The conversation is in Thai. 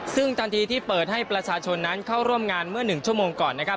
ซึ่งทางที่ที่เปิดให้ประชาชนนั้นเข้าร่วมงานเมื่อหนึ่งชั่วโมงก่อน